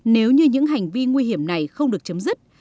nếu như những hành vi nguy hiểm này không được chấm dứt